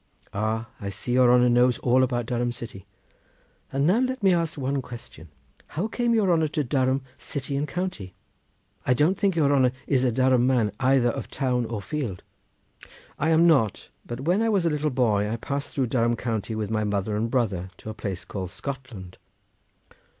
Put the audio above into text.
Ah, I see your honour knows all about Durham city. And now let me ask one question. How came your honour to Durham city and county? I don't think your honour is a Durham man, either of town or field." "I am not; but when I was a little boy I passed through Durham county with my mother and brother to a place called Scotland."